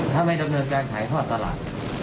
ทำให้ดำเนินการขายทอดตลาด